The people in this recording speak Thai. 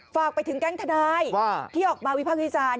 ฝากไปถึงแก๊งทนายที่ออกมาวิพากษ์วิจารณ์